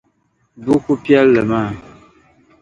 Buku piɛli maa.